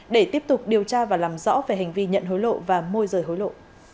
để tiếp tục điều tra và làm rõ về hành vi nhận hối lộ và môi rời hối lộ